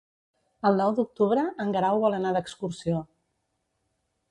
El nou d'octubre en Guerau vol anar d'excursió.